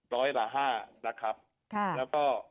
ร้อยละ๕นะครับแล้วก็